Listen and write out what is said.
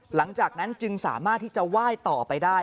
หลังจากนั้นจึงสามารถที่จะไหว้ต่อไปได้